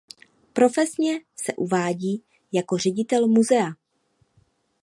Profesně se uvádí jako ředitel muzea.